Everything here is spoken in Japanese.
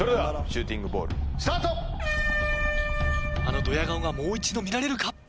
あのドヤ顔がもう一度見られるか！？